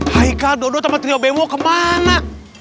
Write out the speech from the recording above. hai kak dodo sama trio bewo kemana